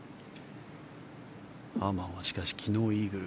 ハーマンは、しかし昨日イーグル。